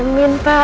hai amin pak